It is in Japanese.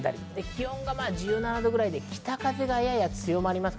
気温が１７度くらいで北風がやや強まります。